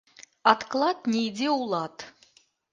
Адклад не ідзе ў лад